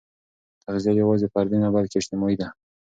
تغذیه یوازې فردي نه، بلکې اجتماعي ده.